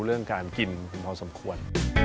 เรื่องการกินพอสมควร